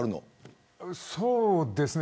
そうですね。